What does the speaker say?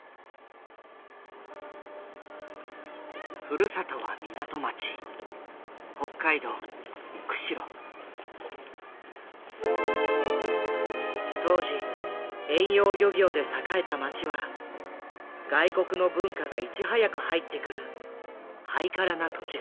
ふるさとは港町当時遠洋漁業で栄えた町は外国の文化がいち早く入ってくるハイカラな土地柄。